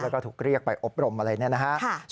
แล้วก็ถูกเรียกไปอบรมอะไรเนี่ยนะครับ